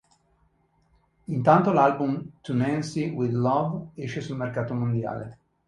Intanto l'album "To Nancy, with Love", esce sul mercato mondiale.